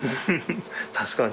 確かに。